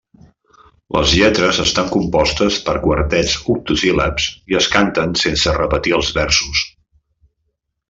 Les lletres estan compostes per quartets octosíl·labs i es canten sense repetir els versos.